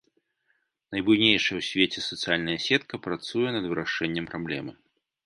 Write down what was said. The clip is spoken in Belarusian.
Найбуйнейшая ў свеце сацыяльная сетка працуе над вырашэннем праблемы.